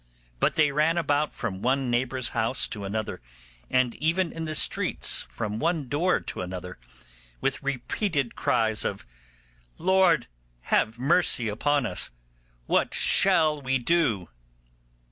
But they ran about from one neighbour's house to another, and even in the streets from one door to another, with repeated cries of, 'Lord, have mercy upon us! What shall we do?